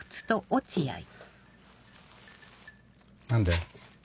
何で？